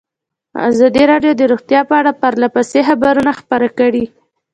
ازادي راډیو د روغتیا په اړه پرله پسې خبرونه خپاره کړي.